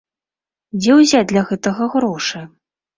Дзе ўзяць для гэтага грошы?